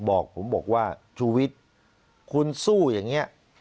บอกบอกว่าจุวิตคุณสู้อย่างเงี้ย